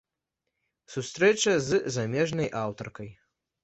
Сустрэча з замежнай аўтаркай?